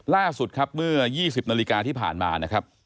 ล่าสุดครับเมื่อ๒๐นาฬิกาที่ผ่านมานะครับ